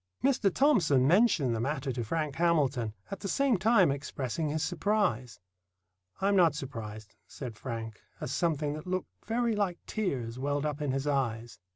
Mr. Thomson mentioned the matter to Frank Hamilton, at the same time expressing his surprise. "I'm not surprised," said Frank, as something that looked very like tears welled up in his eyes.